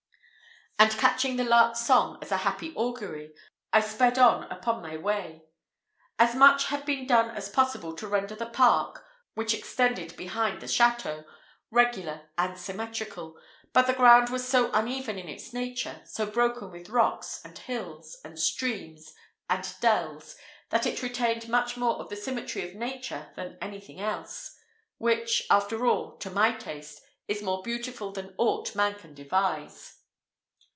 And catching the lark's song as a happy augury, I sped on upon my way. As much had been done as possible to render the park, which extended behind the château, regular and symmetrical; but the ground was so uneven in its nature, so broken with rocks, and hills, and streams, and dells, that it retained much more of the symmetry of nature than anything else; which, after all, to my taste, is more beautiful than aught man can devise.